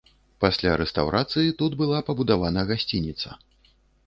Пасля рэстаўрацыі тут была пабудавана гасцініца.